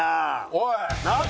おい！